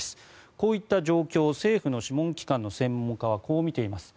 こういった状況を政府の諮問機関の専門家はこう見ています。